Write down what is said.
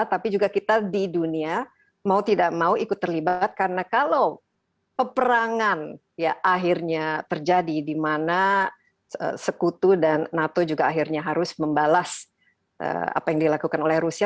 tapi juga kita di dunia mau tidak mau ikut terlibat karena kalau peperangan ya akhirnya terjadi di mana sekutu dan nato juga akhirnya harus membalas apa yang dilakukan oleh rusia